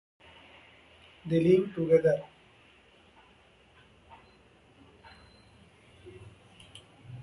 They leave together.